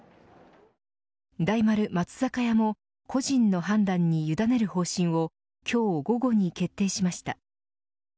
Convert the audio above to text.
大丸・松坂屋も個人の判断に委ねる方針を今日、午後に決定しました。